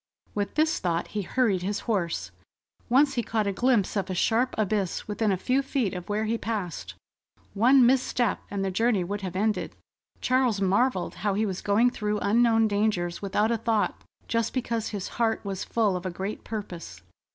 With this thought, he hurried his horse. Once he caught a glimpse of a sharp abyss within a few feet of where he passed. One misstep and the journey would have ended. Charles marvelled how he was going through unknown dangers without a thought, just because his heart was full of a great purpose.